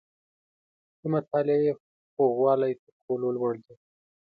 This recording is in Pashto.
• د مطالعې خوږوالی، تر ټولو لوړ دی.